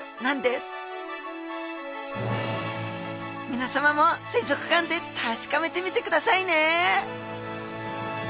みなさまも水族館で確かめてみてくださいね！